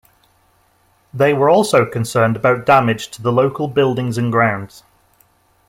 They were also concerned about damage to the local buildings and grounds.